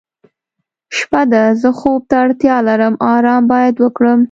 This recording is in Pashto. شپه ده زه خوب ته اړتیا لرم آرام باید وکړم.